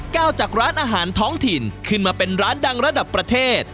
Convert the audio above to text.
จากร้านอาหารท้องถิ่นขึ้นมาเป็นร้านดังระดับประเทศ